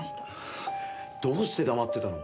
どうして黙ってたの？